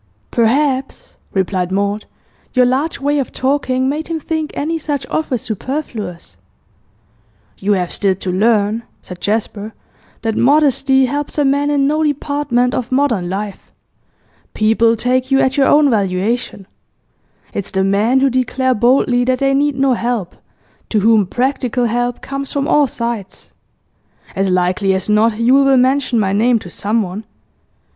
'Perhaps,' replied Maud, 'your large way of talking made him think any such offer superfluous.' 'You have still to learn,' said Jasper, 'that modesty helps a man in no department of modern life. People take you at your own valuation. It's the men who declare boldly that they need no help to whom practical help comes from all sides. As likely as not Yule will mention my name to someone.